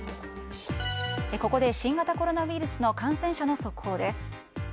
ここで新型コロナウイルスの感染者の速報です。